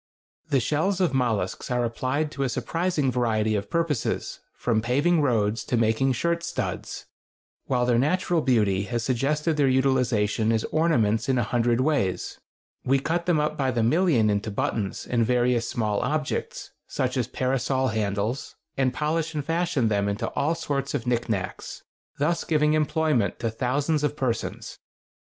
The shells of mollusks are applied to a surprising variety of purposes, from paving roads to making shirt studs, while their natural beauty has suggested their utilization as ornaments in a hundred ways. We cut them up by the million into buttons and various small objects, such as parasol handles, and polish and fashion them into all sorts of knickknacks, thus giving employment to thousands of persons.